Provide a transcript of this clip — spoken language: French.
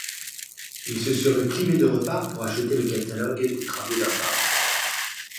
Il se serait privé de repas pour acheter le catalogue des travaux d’un peintre.